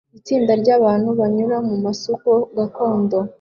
Itsinda ryabantu banyura mumasoko gakondo